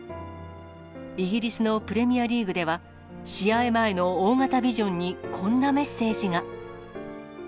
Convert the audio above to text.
イギリスのプレミアリーグでは、試合前の大型ビジョンにこんなメッセージが。